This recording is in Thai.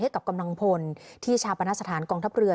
กับกำลังพลที่ชาปนสถานกองทัพเรือ